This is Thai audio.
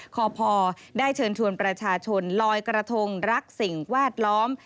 คอพได้เชิญชวนประชาชนลอยกระทงรักสิ่งแวดล้อม